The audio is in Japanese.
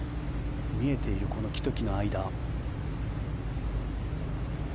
見えている木と木の間。